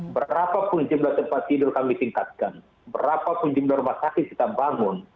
berapapun jumlah tempat tidur kami tingkatkan berapapun jumlah rumah sakit kita bangun